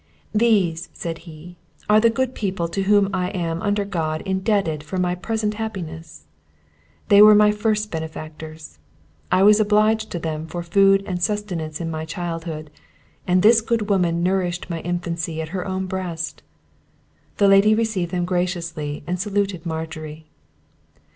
"These," said he, "are the good people to whom I am, under God, indebted for my present happiness; they were my first benefactors; I was obliged to them for food and sustenance in my childhood, and this good woman nourished my infancy at her own breast." The lady received them graciously, and saluted Margery.